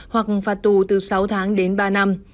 hoặc phạt tù từ sáu tháng đến ba năm